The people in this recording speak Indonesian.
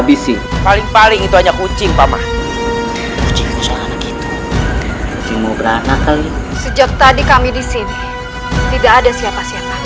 di sini tidak ada siapa siapa